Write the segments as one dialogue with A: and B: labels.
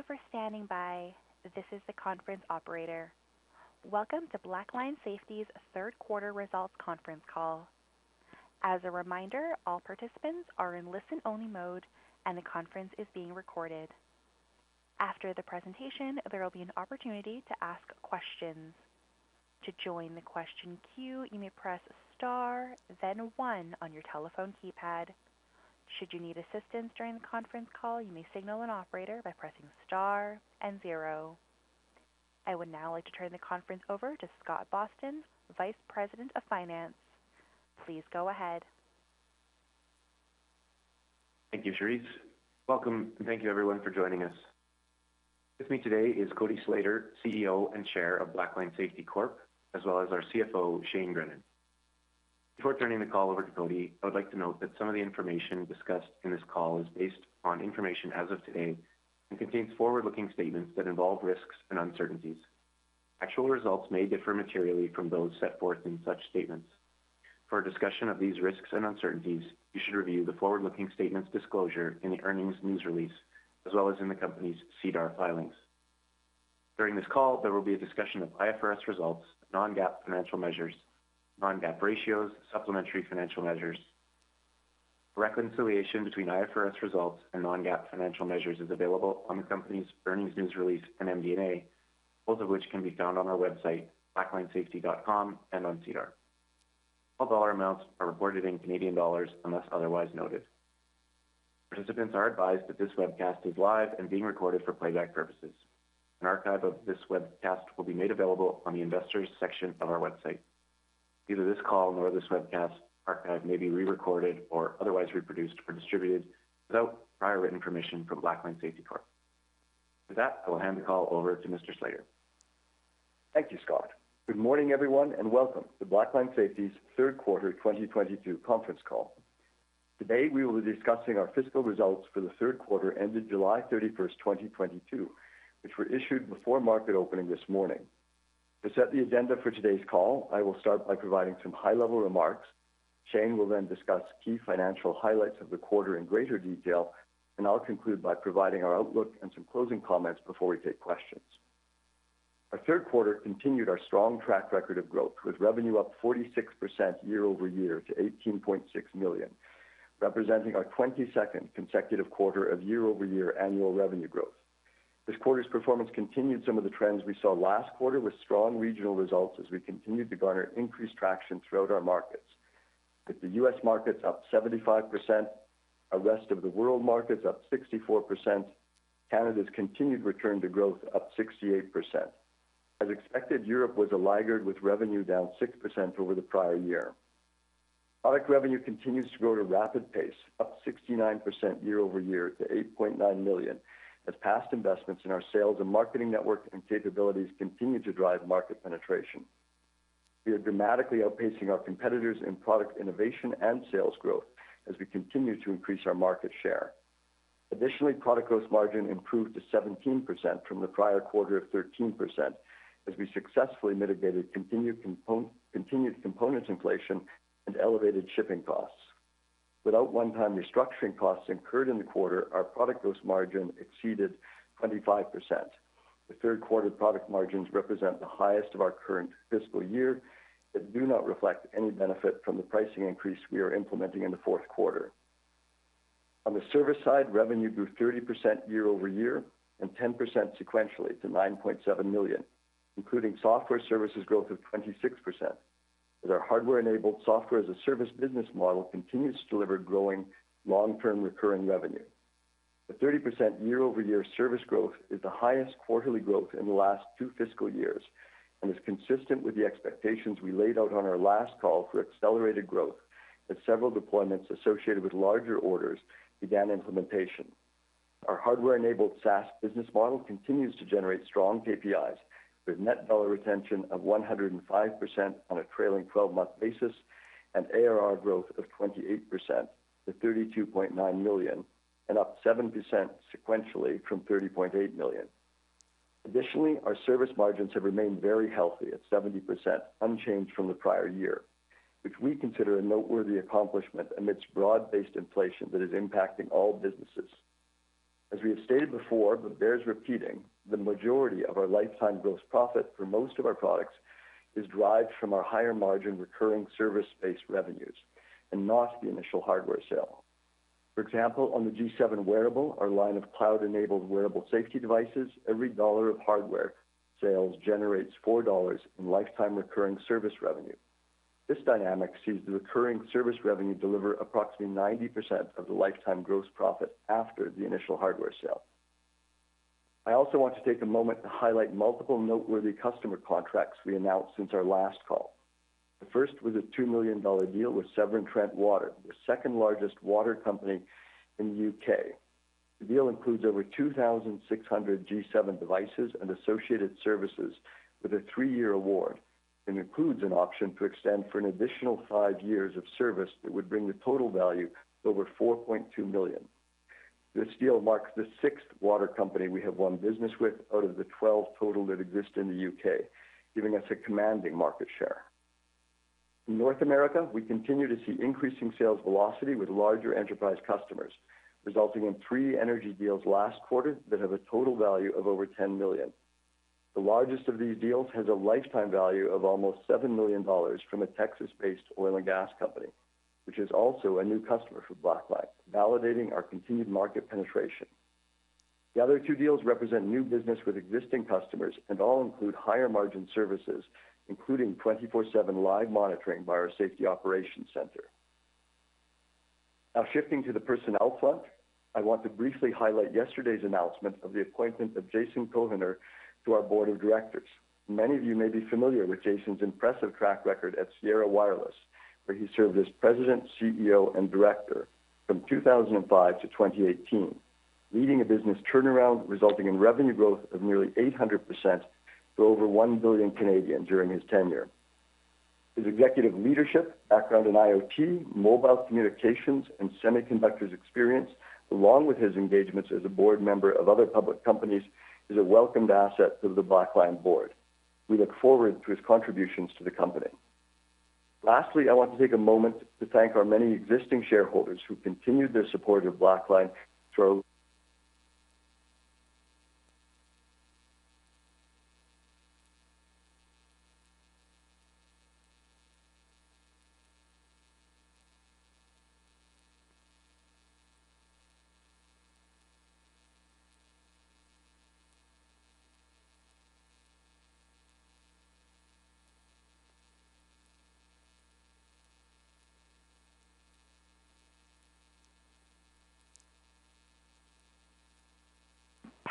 A: Thank you for standing by. This is the conference operator. Welcome to Blackline Safety's third quarter results conference call. As a reminder, all participants are in listen-only mode and the conference is being recorded. After the presentation, there will be an opportunity to ask questions. To join the question queue, you may press star then one on your telephone keypad. Should you need assistance during the conference call, you may signal an operator by pressing star and zero. I would now like to turn the conference over to Scott Boston, Vice President of Finance. Please go ahead.
B: Thank you, Charisse. Welcome and thank you everyone for joining us. With me today is Cody Slater, CEO and Chair of Blackline Safety Corp, as well as our CFO, Shane Grennan. Before turning the call over to Cody, I would like to note that some of the information discussed in this call is based on information as of today and contains forward-looking statements that involve risks and uncertainties. Actual results may differ materially from those set forth in such statements. For a discussion of these risks and uncertainties, you should review the forward-looking statements disclosure in the earnings news release, as well as in the company's SEDAR filings. During this call, there will be a discussion of IFRS results, non-GAAP financial measures, non-GAAP ratios, supplementary financial measures. Reconciliation between IFRS results and non-GAAP financial measures is available on the company's earnings news release and MD&A, both of which can be found on our website, blacklinesafety.com and on SEDAR. All dollar amounts are reported in Canadian dollars unless otherwise noted. Participants are advised that this webcast is live and being recorded for playback purposes. An archive of this webcast will be made available on the investors section of our website. Neither this call nor this webcast archive may be re-recorded or otherwise reproduced or distributed without prior written permission from Blackline Safety Corp. With that, I will hand the call over to Mr. Slater.
C: Thank you, Scott. Good morning, everyone, and welcome to Blackline Safety's third quarter 2022 conference call. Today, we will be discussing our fiscal results for the third quarter ended July 31, 2022, which were issued before market opening this morning. To set the agenda for today's call, I will start by providing some high-level remarks. Shane will then discuss key financial highlights of the quarter in greater detail, and I'll conclude by providing our outlook and some closing comments before we take questions. Our third quarter continued our strong track record of growth, with revenue up 46% year-over-year to 18.6 million, representing our 22nd consecutive quarter of year-over-year annual revenue growth. This quarter's performance continued some of the trends we saw last quarter with strong regional results as we continued to garner increased traction throughout our markets. With the US markets up 75%, our rest of the world markets up 64%, Canada's continued return to growth up 68%. As expected, Europe was a laggard with revenue down 6% over the prior year. Product revenue continues to grow at a rapid pace, up 69% year-over-year to 8.9 million, as past investments in our sales and marketing network and capabilities continue to drive market penetration. We are dramatically outpacing our competitors in product innovation and sales growth as we continue to increase our market share. Additionally, product gross margin improved to 17% from the prior quarter of 13% as we successfully mitigated continued components inflation and elevated shipping costs. Without one-time restructuring costs incurred in the quarter, our product gross margin exceeded 25%. The third quarter product margins represent the highest of our current fiscal year, but do not reflect any benefit from the pricing increase we are implementing in the fourth quarter. On the service side, revenue grew 30% year-over-year and 10% sequentially to 9.7 million, including software services growth of 26%, as our hardware-enabled software as a service business model continues to deliver growing long-term recurring revenue. The 30% year-over-year service growth is the highest quarterly growth in the last two fiscal years and is consistent with the expectations we laid out on our last call for accelerated growth as several deployments associated with larger orders began implementation. Our hardware-enabled SaaS business model continues to generate strong KPIs, with net dollar retention of 105% on a trailing twelve-month basis and ARR growth of 28% to 32.9 million and up 7% sequentially from 30.8 million. Additionally, our service margins have remained very healthy at 70%, unchanged from the prior year, which we consider a noteworthy accomplishment amidst broad-based inflation that is impacting all businesses. As we have stated before, but bears repeating, the majority of our lifetime gross profit for most of our products is derived from our higher margin recurring service-based revenues and not the initial hardware sale. For example, on the G7 wearable, our line of cloud-enabled wearable safety devices, every dollar of hardware sales generates four dollars in lifetime recurring service revenue. This dynamic sees the recurring service revenue deliver approximately 90% of the lifetime gross profit after the initial hardware sale. I also want to take a moment to highlight multiple noteworthy customer contracts we announced since our last call. The first was a 2 million dollar deal with Severn Trent Water, the second-largest water company in the UK. The deal includes over 2,600 G7 devices and associated services with a three-year award and includes an option to extend for an additional five years of service that would bring the total value to over 4.2 million. This deal marks the sixth water company we have won business with out of the 12 total that exist in the UK, giving us a commanding market share. In North America, we continue to see increasing sales velocity with larger enterprise customers, resulting in three energy deals last quarter that have a total value of over $10 million. The largest of these deals has a lifetime value of almost $7 million from a Texas-based oil and gas company, which is also a new customer for Blackline, validating our continued market penetration. The other two deals represent new business with existing customers and all include higher margin services, including 24/7 live monitoring by our safety operations center. Now shifting to the personnel front, I want to briefly highlight yesterday's announcement of the appointment of Jason Cohenour to our board of directors. Many of you may be familiar with Jason's impressive track record at Sierra Wireless, where he served as president, CEO, and director from 2005 to 2018, leading a business turnaround resulting in revenue growth of nearly 800% to over 1 billion during his tenure. His executive leadership, background in IoT, mobile communications, and semiconductors experience, along with his engagements as a board member of other public companies, is a welcomed asset to the Blackline board. We look forward to his contributions to the company. Lastly, I want to take a moment to thank our many existing shareholders who continued their support of Blackline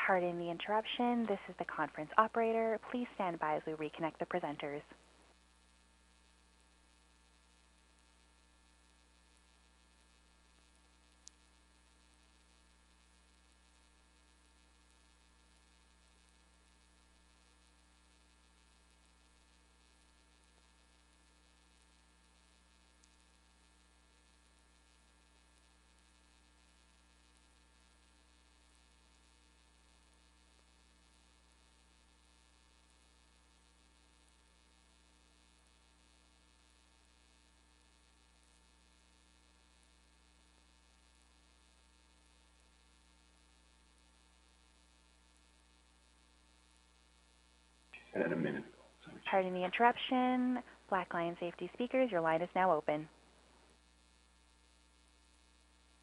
C: through.
A: Pardon the interruption. This is the conference operator. Please stand by as we reconnect the presenters.
C: In a minute.
A: Pardon the interruption. Blackline Safety speakers, your line is now open.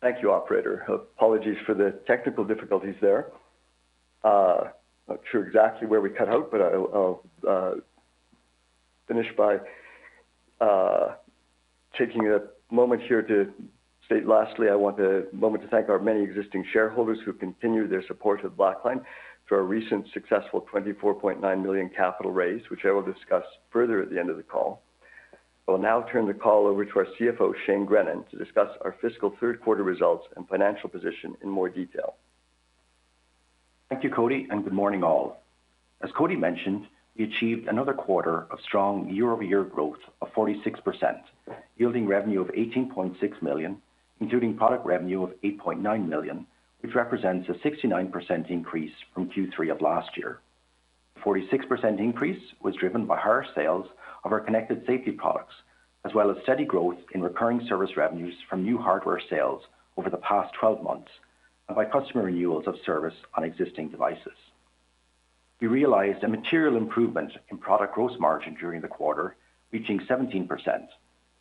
C: Thank you, operator. Apologies for the technical difficulties there. Not sure exactly where we cut out, but I'll finish by taking a moment here to state lastly, I want a moment to thank our many existing shareholders who have continued their support of Blackline for our recent successful 24.9 million capital raise, which I will discuss further at the end of the call. I will now turn the call over to our CFO, Shane Grennan, to discuss our fiscal third quarter results and financial position in more detail.
D: Thank you, Cody, and good morning, all. As Cody mentioned, we achieved another quarter of strong year-over-year growth of 46%, yielding revenue of 18.6 million, including product revenue of 8.9 million, which represents a 69% increase from Q3 of last year. The 46% increase was driven by higher sales of our connected safety products, as well as steady growth in recurring service revenues from new hardware sales over the past 12 months, and by customer renewals of service on existing devices. We realized a material improvement in product gross margin during the quarter, reaching 17%,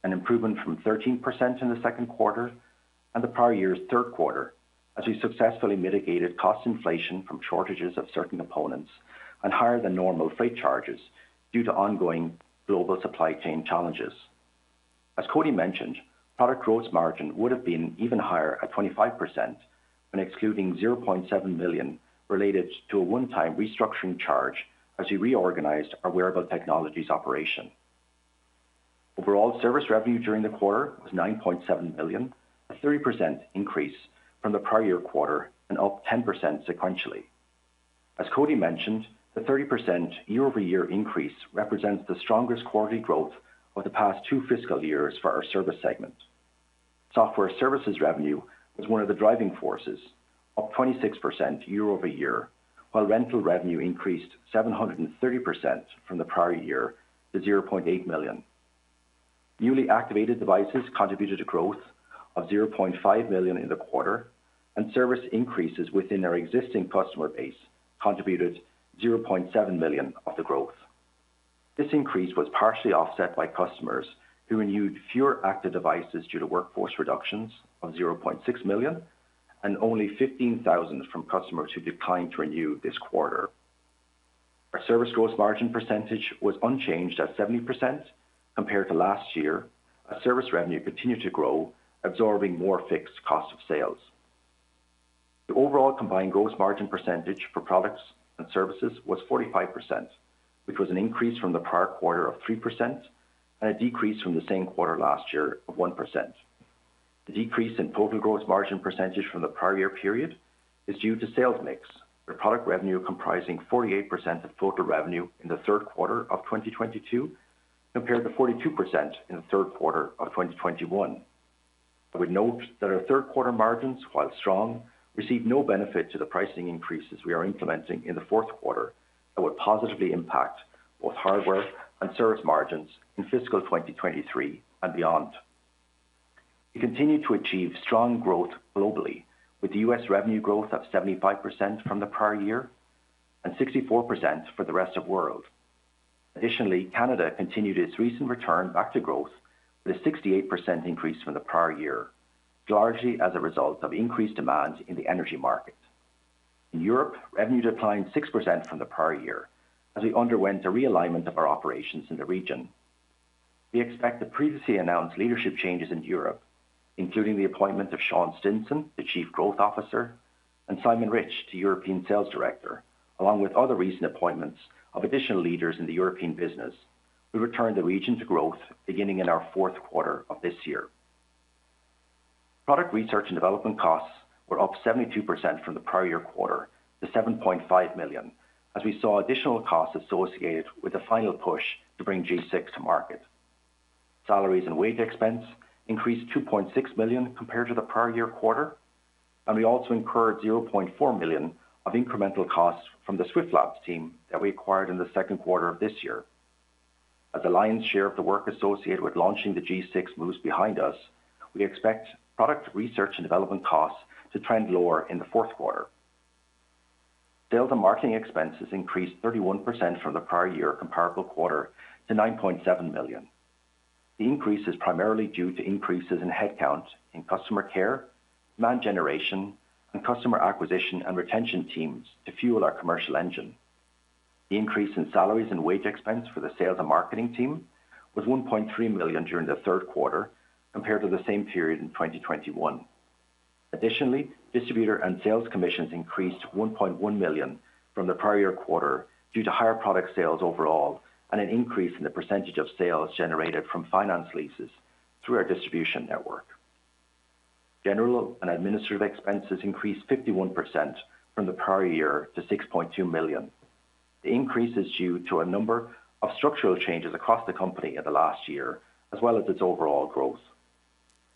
D: an improvement from 13% in the second quarter and the prior year's third quarter, as we successfully mitigated cost inflation from shortages of certain components and higher than normal freight charges due to ongoing global supply chain challenges. As Cody mentioned, product gross margin would have been even higher at 25% when excluding 0.7 million related to a one-time restructuring charge as we reorganized our wearable technologies operation. Overall service revenue during the quarter was 9.7 million, a 30% increase from the prior year quarter and up 10% sequentially. As Cody mentioned, the 30% year-over-year increase represents the strongest quarterly growth of the past two fiscal years for our service segment. Software services revenue was one of the driving forces, up 26% year-over-year, while rental revenue increased 730% from the prior year to 0.8 million. Newly activated devices contributed to growth of 0.5 million in the quarter, and service increases within our existing customer base contributed 0.7 million of the growth. This increase was partially offset by customers who renewed fewer active devices due to workforce reductions of 0.6 million, and only 15,000 from customers who declined to renew this quarter. Our service gross margin percentage was unchanged at 70% compared to last year as service revenue continued to grow, absorbing more fixed cost of sales. The overall combined gross margin percentage for products and services was 45%, which was an increase from the prior quarter of 3% and a decrease from the same quarter last year of 1%. The decrease in total gross margin percentage from the prior year period is due to sales mix, with product revenue comprising 48% of total revenue in the third quarter of 2022 compared to 42% in the third quarter of 2021. We note that our third quarter margins, while strong, received no benefit to the pricing increases we are implementing in the fourth quarter that will positively impact both hardware and service margins in fiscal 2023 and beyond. We continue to achieve strong growth globally with the U.S. revenue growth of 75% from the prior year and 64% for the rest of world. Additionally, Canada continued its recent return back to growth with a 68% increase from the prior year, largely as a result of increased demand in the energy market. In Europe, revenue declined 6% from the prior year as we underwent a realignment of our operations in the region. We expect the previously announced leadership changes in Europe, including the appointment of Sean Stinson, the Chief Growth Officer, and Simon Rich to European Sales Director, along with other recent appointments of additional leaders in the European business. We return the region to growth beginning in our fourth quarter of this year. Product research and development costs were up 72% from the prior year quarter to 7.5 million as we saw additional costs associated with the final push to bring G6 to market. Salaries and wage expense increased 2.6 million compared to the prior year quarter, and we also incurred 0.4 million of incremental costs from the Swift Labs team that we acquired in the second quarter of this year. As the lion's share of the work associated with launching the G6 moves behind us, we expect product research and development costs to trend lower in the fourth quarter. Sales and marketing expenses increased 31% from the prior year comparable quarter to 9.7 million. The increase is primarily due to increases in headcount in customer care, demand generation, and customer acquisition and retention teams to fuel our commercial engine. The increase in salaries and wage expense for the sales and marketing team was 1.3 million during the third quarter compared to the same period in 2021. Additionally, distributor and sales commissions increased 1.1 million from the prior year quarter due to higher product sales overall and an increase in the percentage of sales generated from finance leases through our distribution network. General and administrative expenses increased 51% from the prior year to 6.2 million. The increase is due to a number of structural changes across the company in the last year, as well as its overall growth.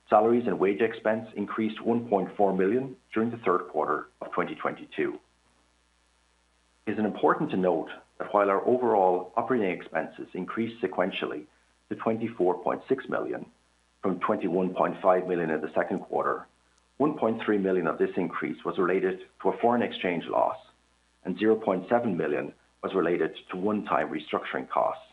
D: Salaries and wage expense increased 1.4 million during the third quarter of 2022. It is important to note that while our overall operating expenses increased sequentially to 24.6 million from 21.5 million in the second quarter, 1.3 million of this increase was related to a foreign exchange loss, and 0.7 million was related to one-time restructuring costs.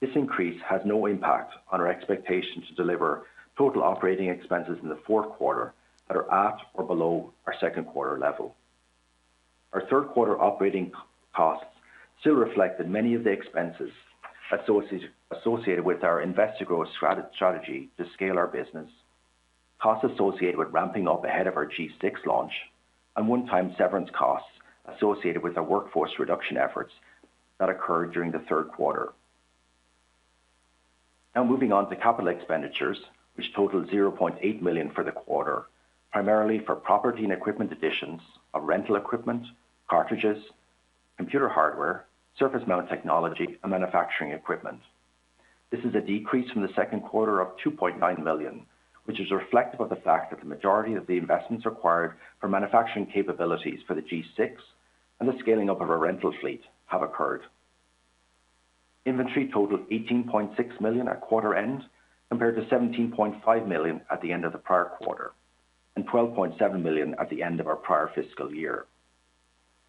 D: This increase has no impact on our expectation to deliver total operating expenses in the fourth quarter that are at or below our second quarter level. Our third quarter operating costs still reflect that many of the expenses associated with our invest to grow strategy to scale our business, costs associated with ramping up ahead of our G6 launch, and one-time severance costs associated with our workforce reduction efforts that occurred during the third quarter. Now moving on to capital expenditures, which totaled 0.8 million for the quarter, primarily for property and equipment additions of rental equipment, cartridges, computer hardware, surface mount technology, and manufacturing equipment. This is a decrease from the second quarter of 2.9 million, which is reflective of the fact that the majority of the investments required for manufacturing capabilities for the G6 and the scaling up of our rental fleet have occurred. Inventory totaled 18.6 million at quarter end, compared to 17.5 million at the end of the prior quarter, and 12.7 million at the end of our prior fiscal year.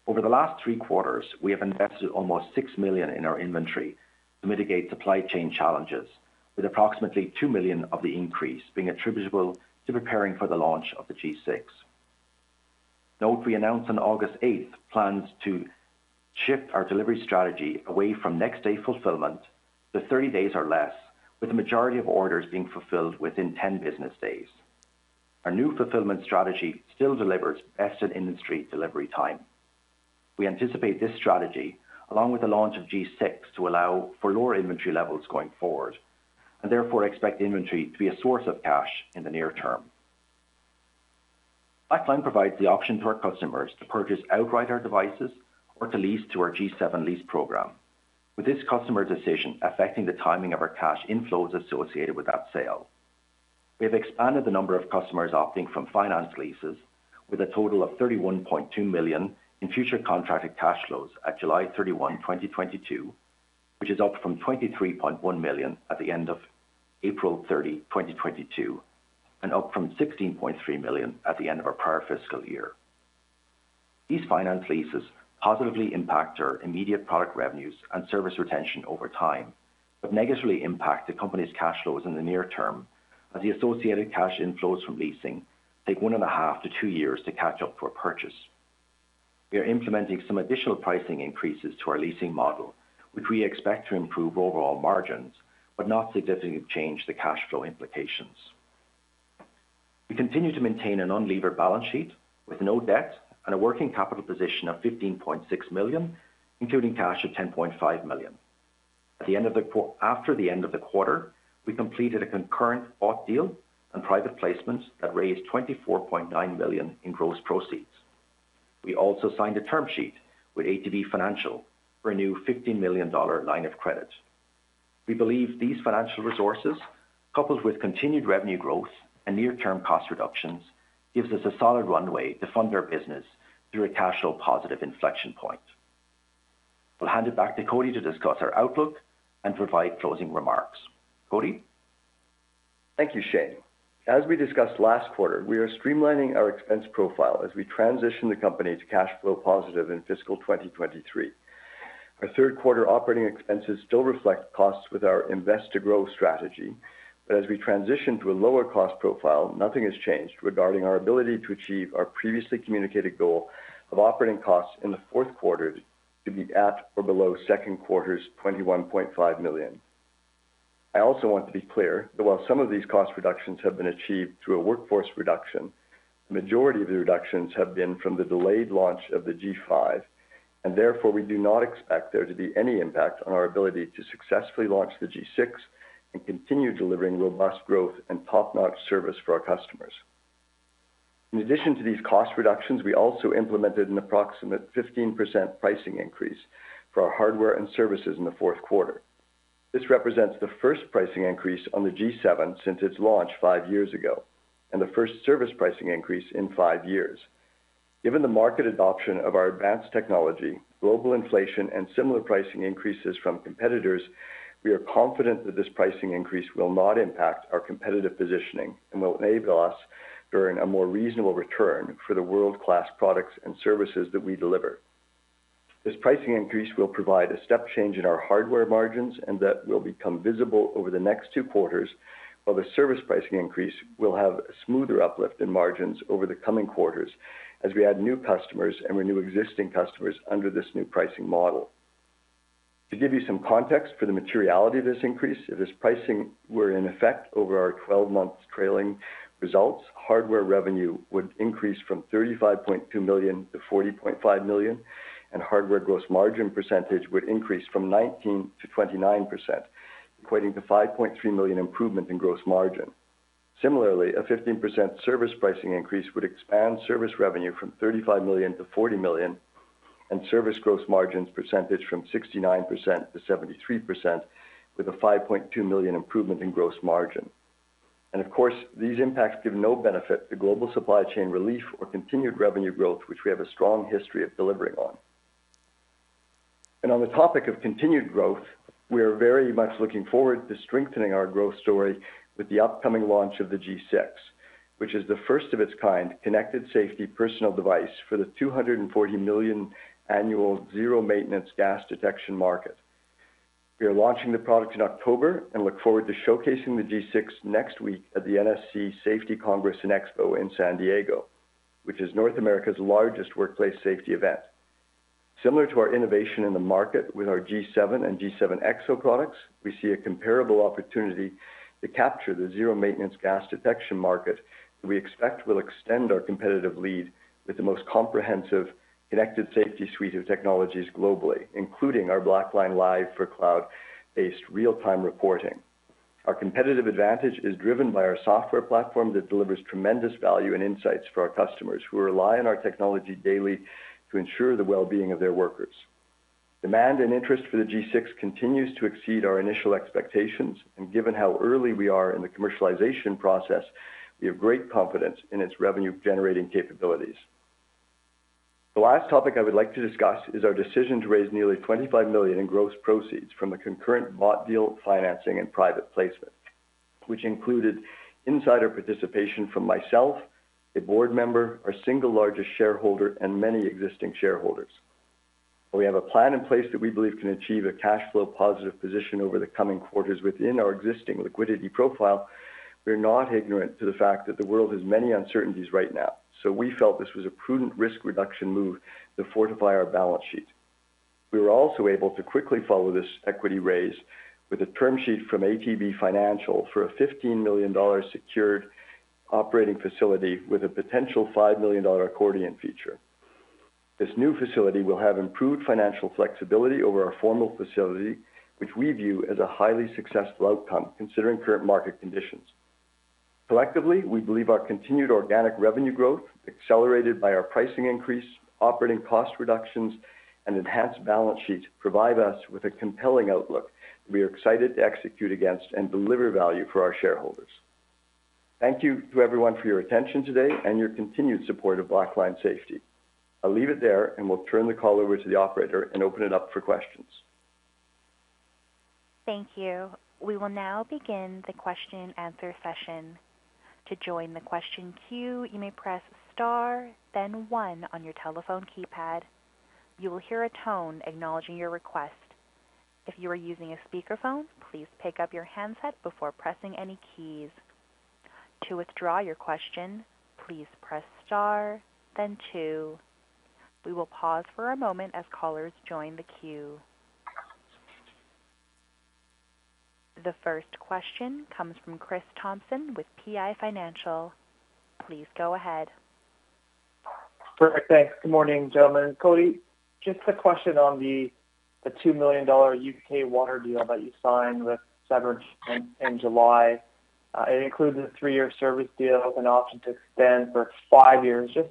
D: Over the last three quarters, we have invested almost 6 million in our inventory to mitigate supply chain challenges, with approximately 2 million of the increase being attributable to preparing for the launch of the G6. Note we announced on August 8th plans to shift our delivery strategy away from next day fulfillment to 30 days or less, with the majority of orders being fulfilled within 10 business days. Our new fulfillment strategy still delivers best in industry delivery time. We anticipate this strategy, along with the launch of G6, to allow for lower inventory levels going forward, and therefore expect inventory to be a source of cash in the near term. Blackline Safety provides the option to our customers to purchase outright our devices or to lease through our G7 lease program. With this customer decision affecting the timing of our cash inflows associated with that sale. We have expanded the number of customers opting from finance leases with a total of 31.2 million in future contracted cash flows at July 31, 2022, which is up from 23.1 million at the end of April 30, 2022, and up from 16.3 million at the end of our prior fiscal year. These finance leases positively impact our immediate product revenues and service retention over time, but negatively impact the company's cash flows in the near term as the associated cash inflows from leasing take 1.5-2 years to catch up for a purchase. We are implementing some additional pricing increases to our leasing model, which we expect to improve overall margins, but not significantly change the cash flow implications. We continue to maintain a non-levered balance sheet with no debt and a working capital position of 15.6 million, including cash of 10.5 million. After the end of the quarter, we completed a concurrent bought deal and private placements that raised 24.9 million in gross proceeds. We also signed a term sheet with ATB Financial for a new 15 million dollar line of credit. We believe these financial resources, coupled with continued revenue growth and near-term cost reductions, gives us a solid runway to fund our business through a cash flow positive inflection point. I'll hand it back to Cody to discuss our outlook and provide closing remarks. Cody?
C: Thank you, Shane. As we discussed last quarter, we are streamlining our expense profile as we transition the company to cash flow positive in fiscal 2023. Our third quarter operating expenses still reflect costs with our invest to grow strategy. As we transition to a lower cost profile, nothing has changed regarding our ability to achieve our previously communicated goal of operating costs in the fourth quarter to be at or below second quarter's 21.5 million. I also want to be clear that while some of these cost reductions have been achieved through a workforce reduction, the majority of the reductions have been from the delayed launch of the G5, and therefore, we do not expect there to be any impact on our ability to successfully launch the G6 and continue delivering robust growth and top-notch service for our customers. In addition to these cost reductions, we also implemented an approximate 15% pricing increase for our hardware and services in the fourth quarter. This represents the first pricing increase on the G7 since its launch 5 years ago and the first service pricing increase in five years. Given the market adoption of our advanced technology, global inflation, and similar pricing increases from competitors, we are confident that this pricing increase will not impact our competitive positioning and will enable us to earn a more reasonable return for the world-class products and services that we deliver. This pricing increase will provide a step change in our hardware margins, and that will become visible over the next tw quarters, while the service pricing increase will have smoother uplift in margins over the coming quarters as we add new customers and renew existing customers under this new pricing model. To give you some context for the materiality of this increase, if this pricing were in effect over our 12 months trailing results, hardware revenue would increase from 35.2 million to 40.5 million, and hardware gross margin percentage would increase from 19%-29%, equating to 5.3 million improvement in gross margin. Similarly, a 15% service pricing increase would expand service revenue from 35 million to 40 million and service gross margins percentage from 69%-73% with a 5.2 million improvement in gross margin. Of course, these impacts give no benefit to global supply chain relief or continued revenue growth, which we have a strong history of delivering on. On the topic of continued growth, we are very much looking forward to strengthening our growth story with the upcoming launch of the G6, which is the first of its kind connected safety personal device for the 240 million annual zero maintenance gas detection market. We are launching the product in October and look forward to showcasing the G6 next week at the NSC Safety Congress & Expo in San Diego, which is North America's largest workplace safety event. Similar to our innovation in the market with our G7 and G7 EXO products, we see a comparable opportunity to capture the zero maintenance gas detection market that we expect will extend our competitive lead with the most comprehensive connected safety suite of technologies globally, including our Blackline Live for cloud-based real-time reporting. Our competitive advantage is driven by our software platform that delivers tremendous value and insights for our customers who rely on our technology daily to ensure the well-being of their workers. Demand and interest for the G7 continues to exceed our initial expectations, and given how early we are in the commercialization process, we have great confidence in its revenue-generating capabilities. The last topic I would like to discuss is our decision to raise nearly 25 million in gross proceeds from a concurrent bought deal financing and private placement, which included insider participation from myself, a board member, our single largest shareholder, and many existing shareholders. While we have a plan in place that we believe can achieve a cash flow positive position over the coming quarters within our existing liquidity profile, we're not ignorant to the fact that the world has many uncertainties right now. We felt this was a prudent risk reduction move to fortify our balance sheet. We were also able to quickly follow this equity raise with a term sheet from ATB Financial for a 15 million dollars secured operating facility with a potential 5 million dollar accordion feature. This new facility will have improved financial flexibility over our former facility, which we view as a highly successful outcome considering current market conditions. Collectively, we believe our continued organic revenue growth accelerated by our pricing increase, operating cost reductions, and enhanced balance sheets provide us with a compelling outlook we are excited to execute against and deliver value for our shareholders. Thank you to everyone for your attention today and your continued support of Blackline Safety. I'll leave it there, and we'll turn the call over to the operator and open it up for questions.
A: Thank you. We will now begin the question and answer session. To join the question queue, you may press star then one on your telephone keypad. You will hear a tone acknowledging your request. If you are using a speakerphone, please pick up your handset before pressing any keys. To withdraw your question, please press star then two. We will pause for a moment as callers join the queue. The first question comes from Chris Thompson with PI Financial. Please go ahead.
E: Perfect. Thanks. Good morning, gentlemen. Cody, just a question on the 2 million dollar U.K. water deal that you signed with Severn Trent in July. It includes a three-year service deal with an option to extend for five years. Just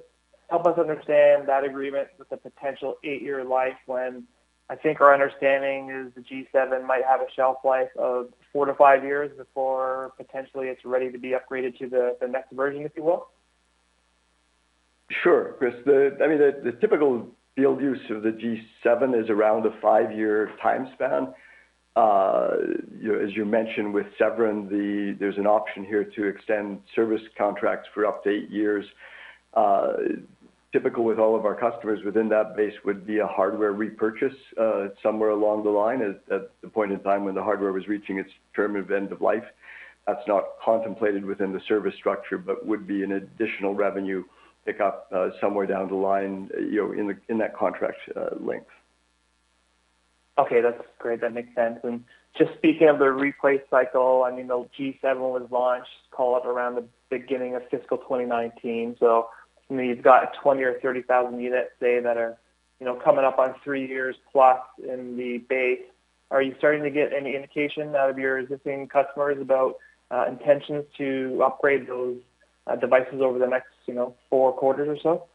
E: help us understand that agreement with the potential eight-year life when I think our understanding is the G7 might have a shelf life of 4-5 years before potentially it's ready to be upgraded to the next version, if you will.
C: Sure, Chris. The typical field use of the G7 is around a five-year time span. You know, as you mentioned, with Severn Trent, there's an option here to extend service contracts for up to eight years. Typical with all of our customers within that base would be a hardware repurchase somewhere along the line at the point in time when the hardware was reaching its term of end of life. That's not contemplated within the service structure, but would be an additional revenue pickup somewhere down the line, you know, in that contract length.
E: Okay, that's great. That makes sense. Just speaking of the replace cycle, I mean, the G7 was launched call it around the beginning of fiscal 2019. I mean, you've got 20,000 or 30,000 units, say, that are, you know, coming up on three years plus in the base. Are you starting to get any indication out of your existing customers about intentions to upgrade those devices over the next, you know, four quarters or so?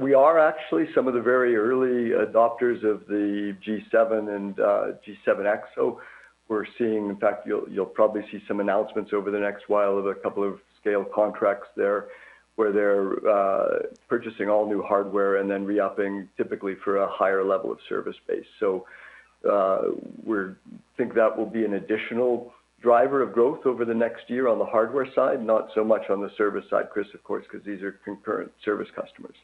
C: We are actually some of the very early adopters of the G7 and G7x, so we're seeing. In fact, you'll probably see some announcements over the next while of a couple of scale contracts there, where they're purchasing all new hardware and then re-upping typically for a higher level of service base. So, we think that will be an additional driver of growth over the next year on the hardware side, not so much on the service side, Chris, of course, because these are concurrent service customers.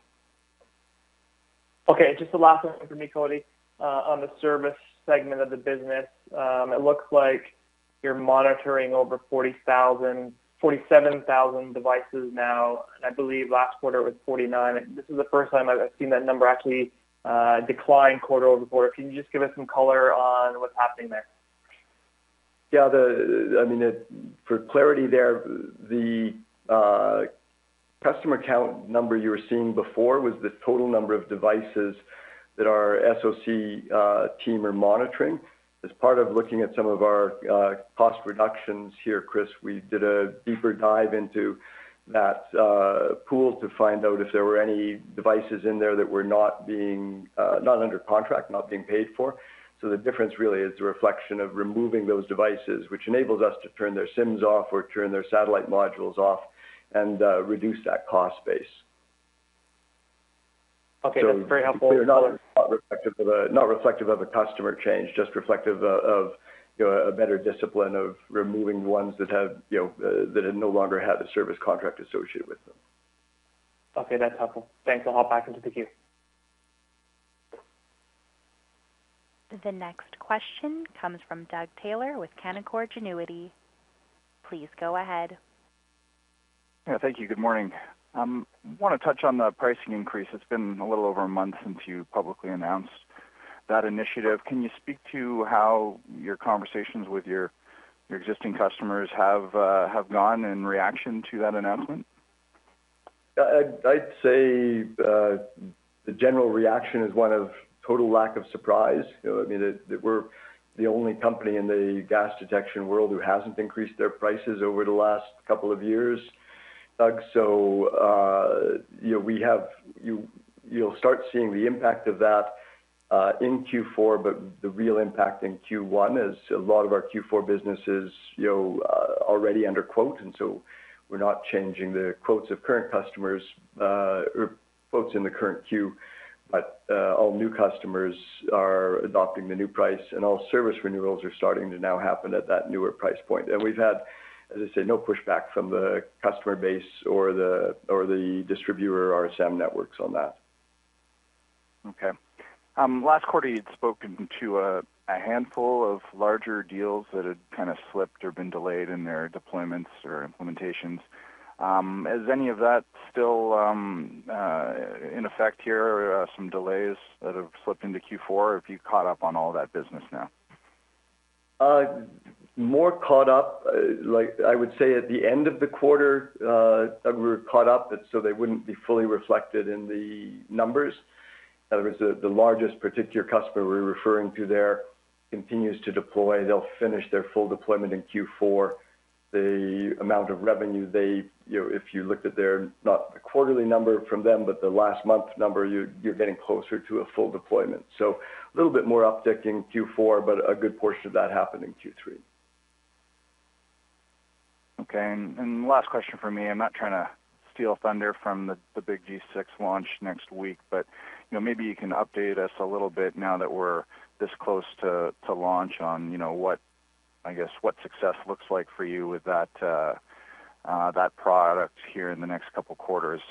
E: Okay. Just the last one from me, Cody. On the service segment of the business, it looks like you're monitoring over 47,000 devices now. I believe last quarter it was 49,000. This is the first time I've seen that number actually decline quarter-over-quarter. Can you just give us some color on what's happening there?
C: Yeah. I mean, for clarity there, the customer count number you were seeing before was the total number of devices that our SOC team are monitoring. As part of looking at some of our cost reductions here, Chris, we did a deeper dive into that pool to find out if there were any devices in there that were not being under contract, not being paid for. The difference really is a reflection of removing those devices, which enables us to turn their SIMs off or turn their satellite modules off and reduce that cost base.
E: Okay. That's very helpful.
C: It's not reflective of a customer change, just reflective of, you know, a better discipline of removing ones that have, you know, that no longer have a service contract associated with them.
E: Okay. That's helpful. Thanks. I'll hop back into the queue.
A: The next question comes from Doug Taylor with Canaccord Genuity. Please go ahead.
F: Yeah, thank you. Good morning. Wanna touch on the pricing increase. It's been a little over a month since you publicly announced that initiative. Can you speak to how your conversations with your existing customers have gone in reaction to that announcement?
C: I'd say the general reaction is one of total lack of surprise. You know, I mean, we're the only company in the gas detection world who hasn't increased their prices over the last couple of years, Doug, so you know, we have. You'll start seeing the impact of that in Q4, but the real impact in Q1 as a lot of our Q4 business is you know, already under quote, and so we're not changing the quotes of current customers or quotes in the current queue. All new customers are adopting the new price, and all service renewals are starting to now happen at that newer price point. We've had, as I said, no pushback from the customer base or the distributor RSM networks on that.
F: Okay. Last quarter you'd spoken to a handful of larger deals that had kind of slipped or been delayed in their deployments or implementations. Is any of that still in effect here, some delays that have slipped into Q4, or have you caught up on all that business now?
C: More caught up. Like, I would say at the end of the quarter, Doug, we were caught up, but so they wouldn't be fully reflected in the numbers. In other words, the largest particular customer we're referring to there continues to deploy. They'll finish their full deployment in Q4. The amount of revenue they you know, if you looked at their, not the quarterly number from them, but the last month number, you're getting closer to a full deployment. A little bit more uptick in Q4, but a good portion of that happened in Q3.
F: Okay. Last question from me. I'm not trying to steal thunder from the big G6 launch next week, but you know, maybe you can update us a little bit now that we're this close to launch on you know, what I guess success looks like for you with that product here in the next couple quarters,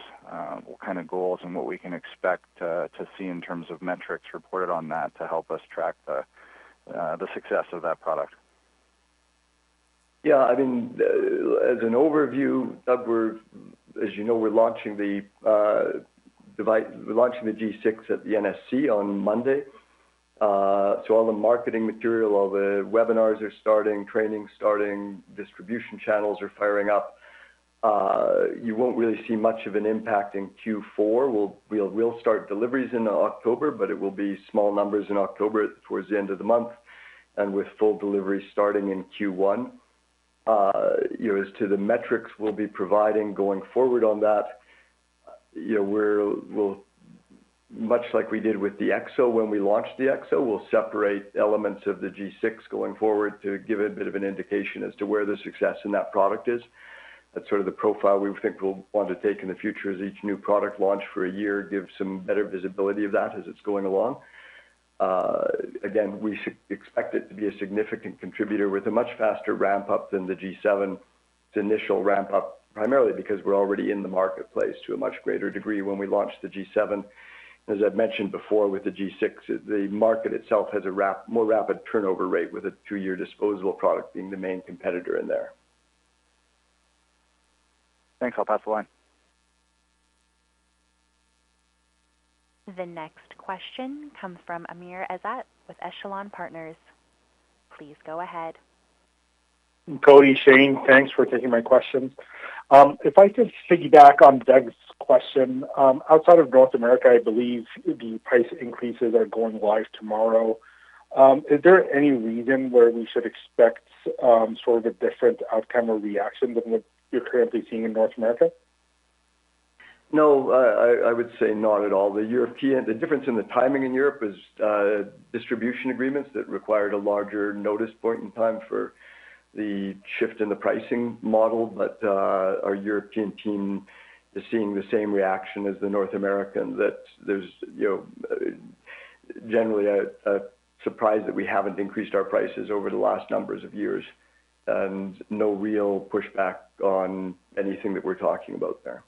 F: what kind of goals and what we can expect to see in terms of metrics reported on that to help us track the success of that product.
C: Yeah, I mean, as an overview, Doug, we're, as you know, we're launching the G6 at the NSC on Monday. So all the marketing material, all the webinars are starting, training starting, distribution channels are firing up. You won't really see much of an impact in Q4. We'll start deliveries in October, but it will be small numbers in October towards the end of the month, and with full delivery starting in Q1. You know, as to the metrics we'll be providing going forward on that, you know, we'll. Much like we did with the EXO when we launched the EXO, we'll separate elements of the G6 going forward to give a bit of an indication as to where the success in that product is. That's sort of the profile we think we'll want to take in the future as each new product launch for a year gives some better visibility of that as it's going along. Again, we expect it to be a significant contributor with a much faster ramp-up than the G7's initial ramp-up, primarily because we're already in the marketplace to a much greater degree when we launched the G7. As I've mentioned before, with the G6, the market itself has more rapid turnover rate, with a two-year disposable product being the main competitor in there.
F: Thanks. I'll pass the line.
A: The next question comes from Amr Ezzat with Echelon Wealth Partners. Please go ahead.
G: Cody, Shane, thanks for taking my questions. If I could piggyback on Doug's question, outside of North America, I believe the price increases are going live tomorrow. Is there any reason where we should expect, sort of a different outcome or reaction than what you're currently seeing in North America?
C: No, I would say not at all. The difference in the timing in Europe is distribution agreements that required a larger notice point in time for the shift in the pricing model. Our European team is seeing the same reaction as the North American, that there's, you know, generally a surprise that we haven't increased our prices over the last numbers of years, and no real pushback on anything that we're talking about there.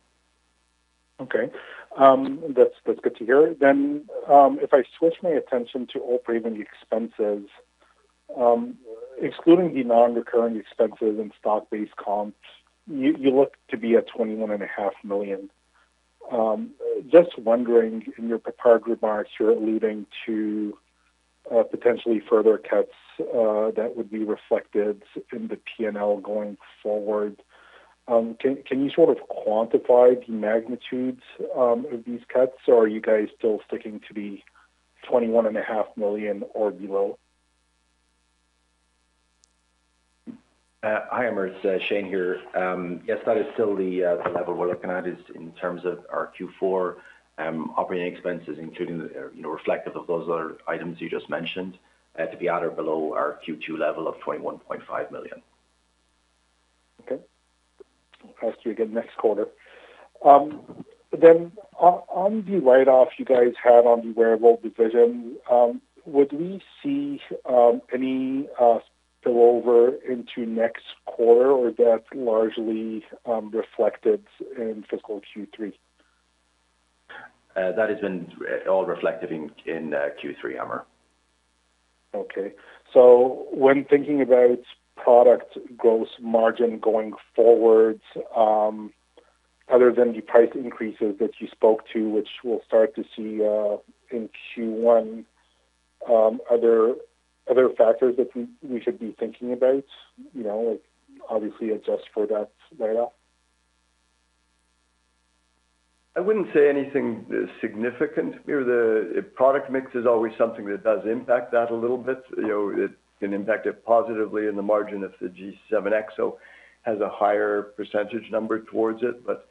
G: Okay. That's good to hear. If I switch my attention to operating expenses, excluding the non-recurring expenses and stock-based comps, you look to be at 21 and a half million. Just wondering, in your prepared remarks, you're alluding to potentially further cuts that would be reflected in the P&L going forward. Can you sort of quantify the magnitudes of these cuts? Or are you guys still sticking to the 21 and a half million or below?
D: Hi, Amr. It's Shane here. Yes, that is still the level we're looking at in terms of our Q4 operating expenses, including, you know, reflective of those other items you just mentioned, to be at or below our Q2 level of 21.5 million.
G: Okay. I'll ask you again next quarter. On the write-off you guys had on the wearable division, would we see any spillover into next quarter, or that's largely reflected in fiscal Q3?
D: That has been all reflected in Q3, Amr.
G: Okay. When thinking about product gross margin going forward, other than the price increases that you spoke to, which we'll start to see in Q1, are there other factors that we should be thinking about? You know, like, obviously adjust for that write-off.
C: I wouldn't say anything significant. You know, the product mix is always something that does impact that a little bit. You know, it can impact it positively in the margin if the G7 EXO has a higher percentage number towards it. But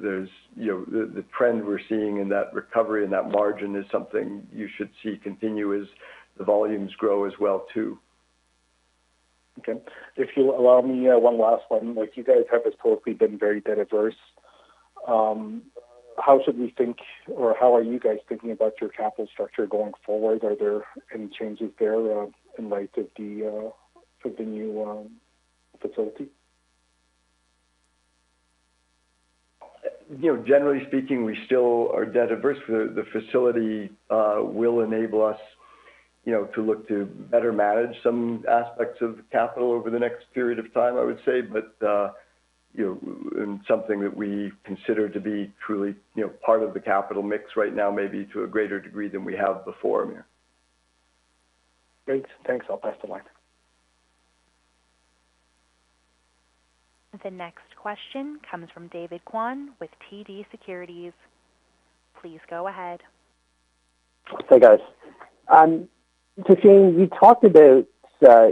C: there's, you know, the trend we're seeing in that recovery and that margin is something you should see continue as the volumes grow as well, too.
G: Okay. If you'll allow me, one last one. Like, you guys have historically been very debt averse. How should we think or how are you guys thinking about your capital structure going forward? Are there any changes there, in light of the new facility?
C: You know, generally speaking, we still are debt averse. The facility will enable us, you know, to look to better manage some aspects of capital over the next period of time, I would say. You know, something that we consider to be truly, you know, part of the capital mix right now, maybe to a greater degree than we have before, Amr.
G: Great. Thanks. I'll pass the line.
A: The next question comes from David Kwan with TD Securities. Please go ahead.
H: Hey, guys. Shane, you talked about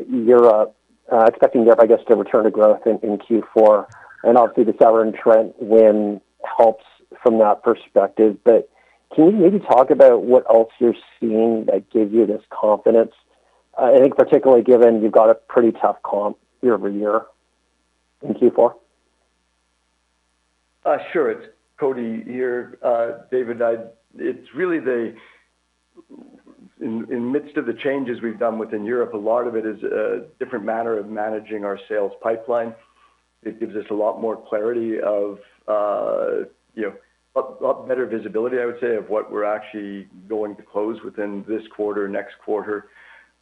H: you're expecting, I guess, to return to growth in Q4, and obviously the Severn Trent win helps from that perspective. Can you maybe talk about what else you're seeing that gives you this confidence, I think particularly given you've got a pretty tough comp year-over-year in Q4?
C: Sure. It's Cody here. David, it's really in the midst of the changes we've done within Europe, a lot of it is a different manner of managing our sales pipeline. It gives us a lot more clarity of, you know, a lot better visibility, I would say, of what we're actually going to close within this quarter, next quarter.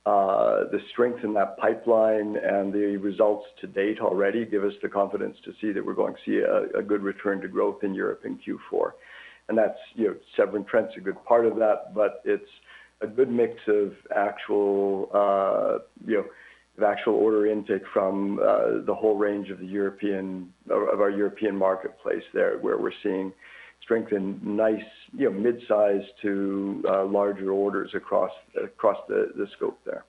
C: The strength in that pipeline and the results to date already give us the confidence to see that we're going to see a good return to growth in Europe in Q4. That's, you know, Severn Trent's a good part of that, but it's a good mix of actual order intake from the whole range of our European marketplace there, where we're seeing strength in nice, you know, mid-size to larger orders across the scope there.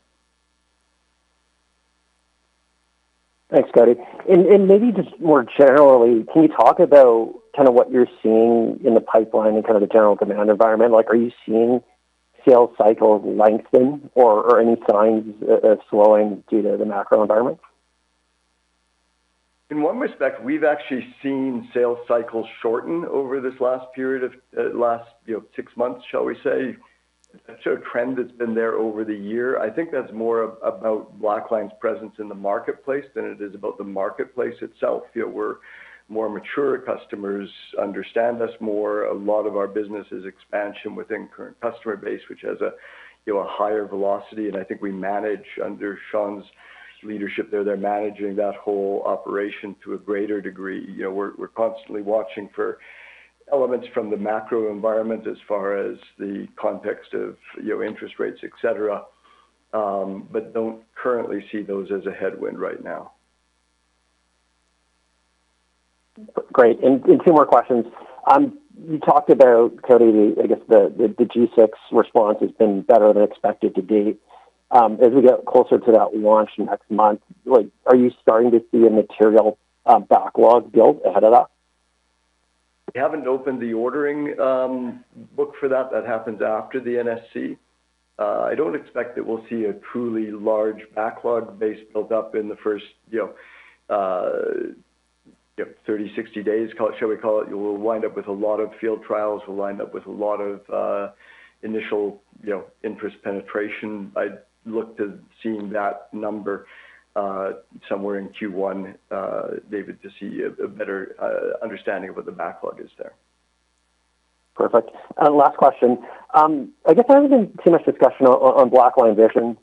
H: Thanks, Cody. Maybe just more generally, can you talk about kind of what you're seeing in the pipeline and kind of the general demand environment? Like, are you seeing sales cycles lengthen or any signs of slowing due to the macro environment?
C: In one respect, we've actually seen sales cycles shorten over this last period of last, you know, six months, shall we say. It's a trend that's been there over the year. I think that's more about Blackline's presence in the marketplace than it is about the marketplace itself. You know, we're more mature customers understand us more. A lot of our business is expansion within current customer base, which has a, you know, higher velocity, and I think we manage under Sean's leadership there. They're managing that whole operation to a greater degree. You know, we're constantly watching for elements from the macro environment as far as the context of, you know, interest rates, et cetera, but don't currently see those as a headwind right now.
H: Great. Two more questions. You talked about, Cody, I guess the G6 response has been better than expected to date. As we get closer to that launch next month, like, are you starting to see a material backlog build ahead of that?
C: We haven't opened the ordering book for that. That happens after the NSC. I don't expect that we'll see a truly large backlog base built up in the first, you know, 30, 60 days, shall we call it. You will wind up with a lot of field trials. We'll wind up with a lot of initial, you know, interest penetration. I'd look to seeing that number somewhere in Q1, David, to see a better understanding of what the backlog is there.
H: Perfect. Last question. I guess there hasn't been too much discussion on Blackline Vision,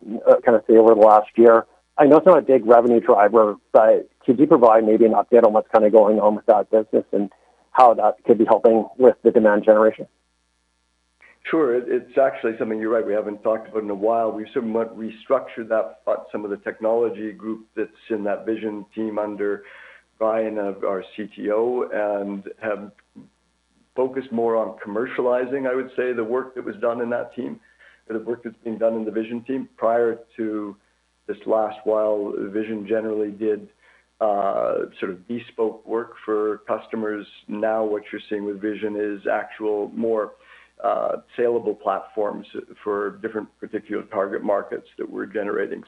H: kind of say over the last year. I know it's not a big revenue driver, but could you provide maybe an update on what's kind of going on with that business and how that could be helping with the demand generation?
C: Sure. It's actually something, you're right, we haven't talked about in a while. We've somewhat restructured that, some of the technology group that's in that Vision team under Brian, our CTO, and have focused more on commercializing, I would say, the work that was done in that team, the work that's been done in the Vision team prior to this last while. Vision generally did, sort of bespoke work for customers. Now what you're seeing with Vision is actually more, saleable platforms for different particular target markets that we're generating.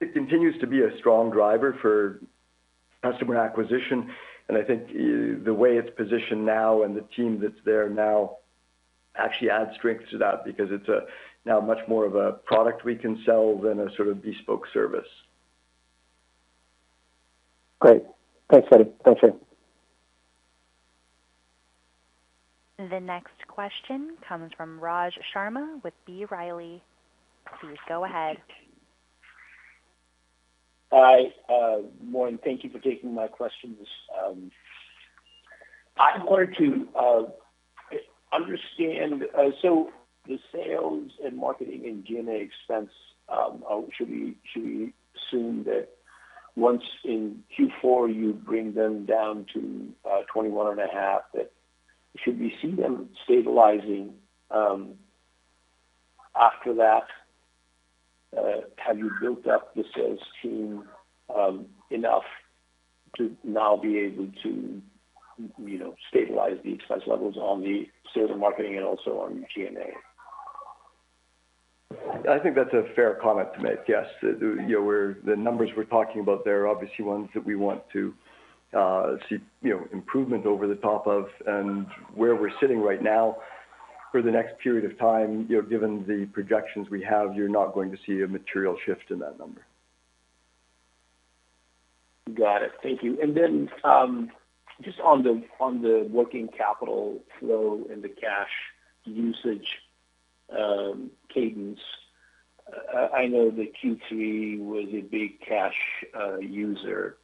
C: It continues to be a strong driver for customer acquisition, and I think the way it's positioned now and the team that's there now actually adds strength to that because it's now much more of a product we can sell than a sort of bespoke service.
H: Great. Thanks, Cody. Thanks, Shane.
A: The next question comes from Raj Sharma with B. Riley. Please go ahead.
I: Hi, morning. Thank you for taking my questions. I wanted to understand, so the sales and marketing and G&A expense, should we assume that once in Q4 you bring them down to 21.5, that should we see them stabilizing, after that? Have you built up the sales team, enough to now be able to, you know, stabilize the expense levels on the sales and marketing and also on G&A?
C: I think that's a fair comment to make, yes. You know, the numbers we're talking about there are obviously ones that we want to see, you know, improvement over the top of, and where we're sitting right now for the next period of time, you know, given the projections we have, you're not going to see a material shift in that number.
I: Got it. Thank you. Then just on the working capital flow and the cash usage, cadence, I know that Q3 was a big cash user.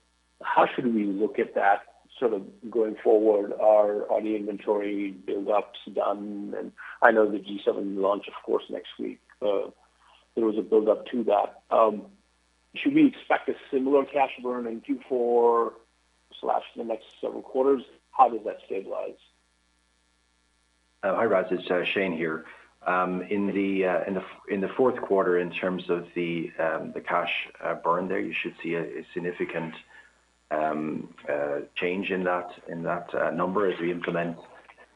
I: How should we look at that sort of going forward? Are the inventory buildups done? I know the G7 launch, of course, next week, there was a buildup to that. Should we expect a similar cash burn in Q4/the next several quarters? How does that stabilize?
D: Hi Raj, it's Shane here. In the fourth quarter, in terms of the cash burn there, you should see a significant change in that number as we implement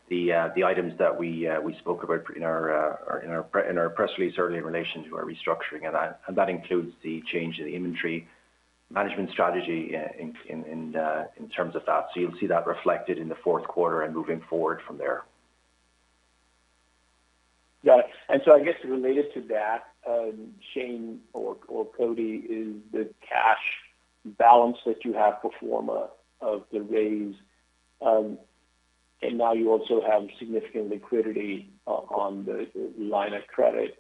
D: the items that we spoke about in our press release earlier in relation to our restructuring. That includes the change in the inventory management strategy in terms of that. You'll see that reflected in the fourth quarter and moving forward from there.
I: Got it. I guess related to that, Shane or Cody, is the cash balance that you have pro forma of the raise, and now you also have significant liquidity on the line of credit.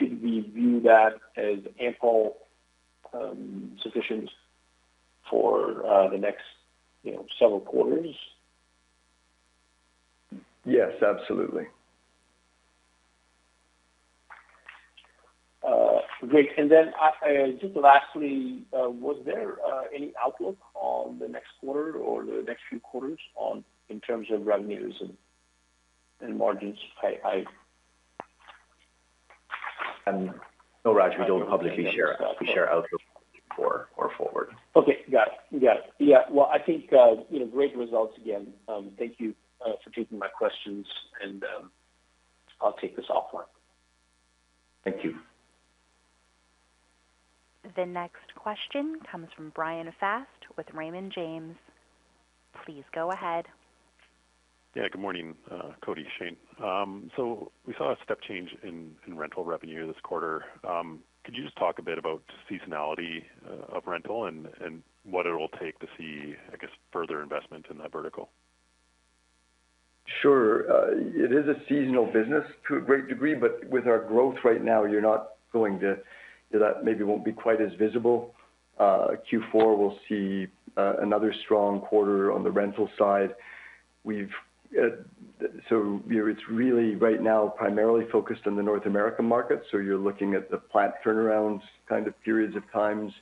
I: We view that as ample, sufficient for the next, you know, several quarters.
C: Yes, absolutely.
I: Great. Then, just lastly, was there any outlook on the next quarter or the next few quarters in terms of revenues and margins?
C: No, Raj, we don't publicly share. We share outlook for our forward.
I: Okay. Got it. Yeah. Yeah. Well, I think you know, great results again. Thank you for taking my questions and I'll take this offline.
C: Thank you.
A: The next question comes from Bryan Fast with Raymond James. Please go ahead.
J: Yeah, good morning, Cody, Shane. We saw a step change in rental revenue this quarter. Could you just talk a bit about seasonality of rental and what it'll take to see, I guess, further investment in that vertical?
C: Sure. It is a seasonal business to a great degree, but with our growth right now, that maybe won't be quite as visible. Q4 will see another strong quarter on the rental side. We've so you know, it's really right now primarily focused on the North American market, so you're looking at the plant turnarounds kind of periods of times.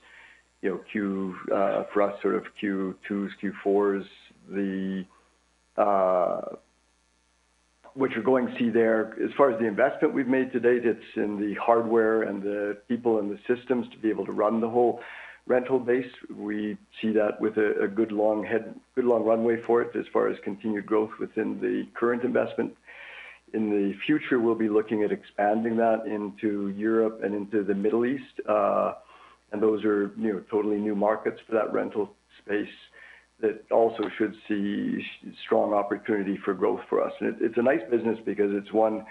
C: You know, Q for us sort of Q2s, Q4s. What you're going to see there as far as the investment we've made to date, it's in the hardware and the people and the systems to be able to run the whole rental base. We see that with a good long head, good long runway for it as far as continued growth within the current investment. In the future, we'll be looking at expanding that into Europe and into the Middle East. Those are, you know, totally new markets for that rental space that also should see strong opportunity for growth for us. It's a nice business because it's one,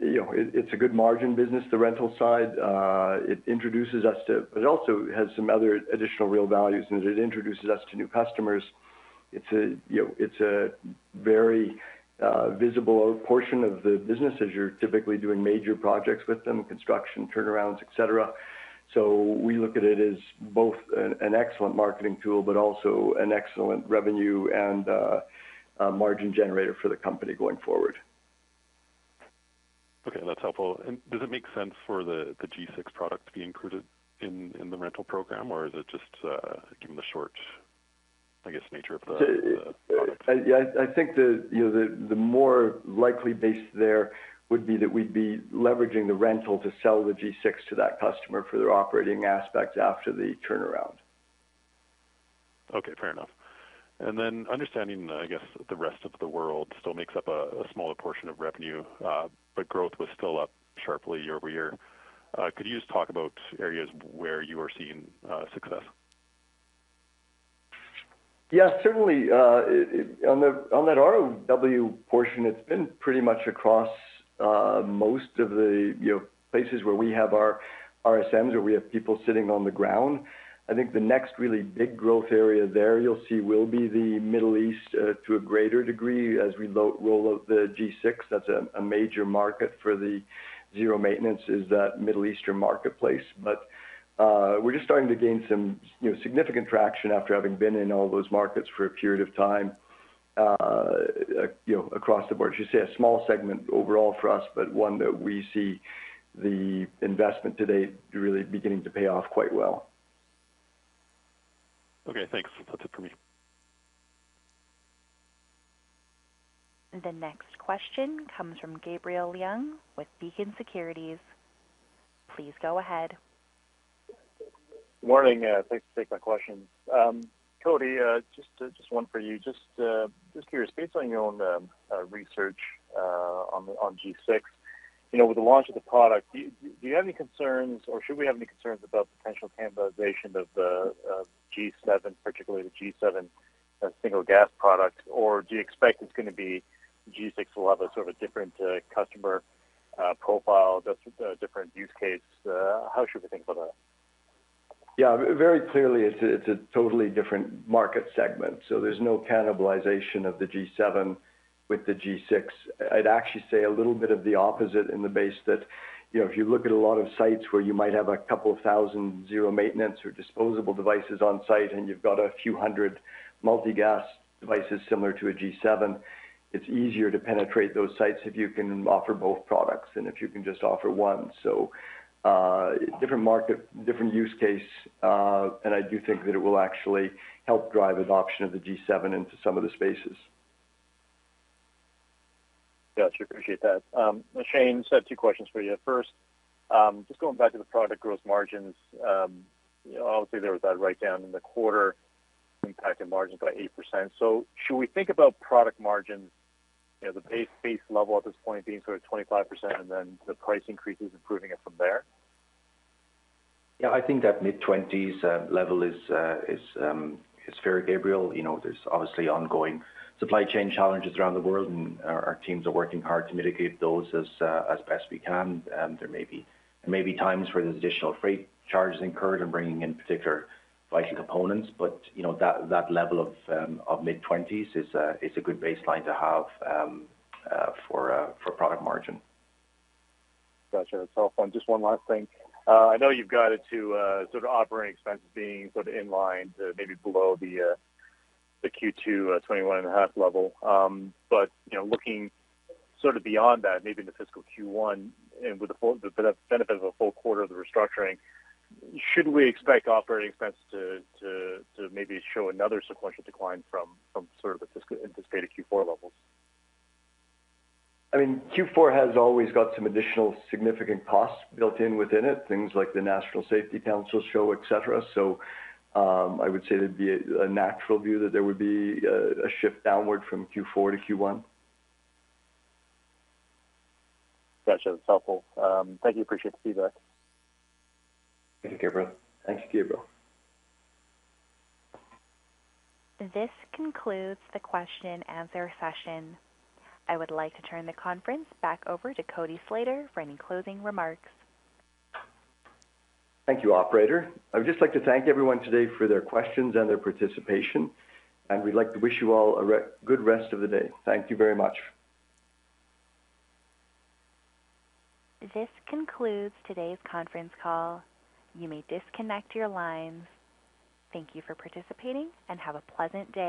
C: you know, it's a good margin business, the rental side. It introduces us to. It also has some other additional real values, and it introduces us to new customers. It's a, you know, very visible portion of the business as you're typically doing major projects with them, construction turnarounds, et cetera. We look at it as both an excellent marketing tool, but also an excellent revenue and a margin generator for the company going forward.
J: Okay, that's helpful. Does it make sense for the G6 product to be included in the rental program, or is it just given the short, I guess, nature of the product?
C: Yeah, I think, you know, the more likely base there would be that we'd be leveraging the rental to sell the G6 to that customer for their operating aspects after the turnaround.
J: Okay, fair enough. Understanding, I guess, the rest of the world still makes up a smaller portion of revenue, but growth was still up sharply year-over-year. Could you just talk about areas where you are seeing success?
C: Yeah, certainly. On that ROW portion, it's been pretty much across most of the places where we have our RSMs or we have people sitting on the ground. I think the next really big growth area there you'll see will be the Middle East to a greater degree as we roll out the G6. That's a major market for the zero maintenance is that Middle Eastern marketplace. But we're just starting to gain some, you know, significant traction after having been in all those markets for a period of time, you know, across the board. As you say, a small segment overall for us, but one that we see the investment today really beginning to pay off quite well.
J: Okay, thanks. That's it for me.
A: The next question comes from Gabriel Leung with Beacon Securities. Please go ahead.
K: Morning. Thanks for taking my questions. Cody, just one for you. Just curious, based on your own research on the G6, you know, with the launch of the product, do you have any concerns, or should we have any concerns about potential cannibalization of the G7, particularly the G7 single gas product? Or do you expect the G6 will have a sort of a different customer profile, a different use case? How should we think about that?
C: Yeah. Very clearly it's a totally different market segment, so there's no cannibalization of the G7 with the G6. I'd actually say a little bit of the opposite in the case that, you know, if you look at a lot of sites where you might have a couple thousand zero maintenance or disposable devices on site, and you've got a few hundred multi-gas devices similar to a G7, it's easier to penetrate those sites if you can offer both products than if you can just offer one. So, different market, different use case, and I do think that it will actually help drive adoption of the G7 into some of the spaces.
K: Gotcha. Appreciate that. Shane, so I have two questions for you. First, just going back to the product gross margins, you know, obviously there was that write-down in the quarter impacting margins by 8%. Should we think about product margins, you know, the base level at this point being sort of 25% and then the price increases improving it from there?
D: Yeah, I think that mid-20s% level is fair, Gabriel. You know, there's obviously ongoing supply chain challenges around the world, and our teams are working hard to mitigate those as best we can. There may be times where there's additional freight charges incurred in bringing in particular vital components, but you know, that level of mid-20s% is a good baseline to have for product margin.
K: Gotcha. That's helpful. Just one last thing. I know you've guided to sort of operating expenses being sort of in line to maybe below the Q2 21.5 level. You know, looking sort of beyond that, maybe in the fiscal Q1 and with the benefit of a full quarter of the restructuring, should we expect operating expense to maybe show another sequential decline from the anticipated Q4 levels?
D: I mean, Q4 has always got some additional significant costs built in within it, things like the National Safety Council show, et cetera. I would say there'd be a natural view that there would be a shift downward from Q4 to Q1.
K: Gotcha. That's helpful. Thank you. Appreciate the feedback.
C: Thank you, Gabriel.
D: Thank you, Gabriel.
A: This concludes the question and answer session. I would like to turn the conference back over to Cody Slater for any closing remarks.
C: Thank you, operator. I would just like to thank everyone today for their questions and their participation, and we'd like to wish you all a good rest of the day. Thank you very much.
A: This concludes today's conference call. You may disconnect your lines. Thank you for participating and have a pleasant day.